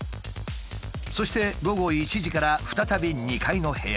そして午後１時から再び２階の部屋へ。